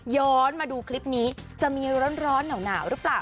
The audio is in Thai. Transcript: ย้อนมาดูคลิปนี้จะมีร้อนหนาวหรือเปล่า